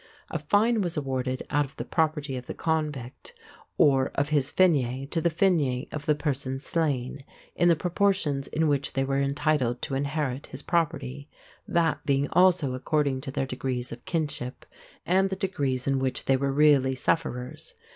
A fine was awarded out of the property of the convict or of his fine to the fine of the person slain, in the proportions in which they were entitled to inherit his property, that being also according to their degrees of kinship and the degrees in which they were really sufferers.